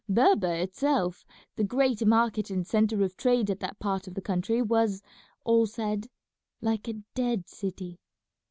Berber itself, the great market and centre of trade of that part of the country, was, all said, like a dead city.